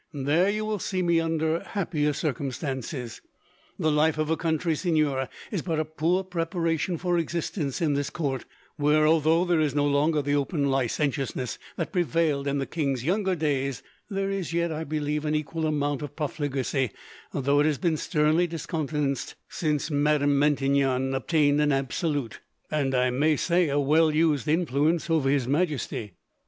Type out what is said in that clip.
There you will see me under happier circumstances. The life of a country seigneur is but a poor preparation for existence in this court, where, although there is no longer the open licentiousness that prevailed in the king's younger days, there is yet, I believe, an equal amount of profligacy, though it has been sternly discountenanced since Madame Maintenon obtained an absolute, and I may say a well used, influence over His Majesty."